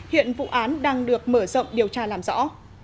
hiện vụ án đang được mở rộng điều tra làm rõ